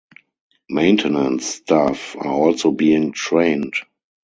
Maintenance staff are also being trained.